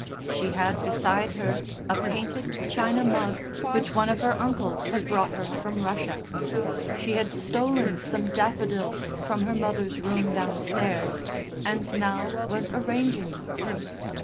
She had beside her a painted china mug which one of her uncles had brought her from Russia; she had stolen some daffodils from her mother's room downstairs and now was arranging them.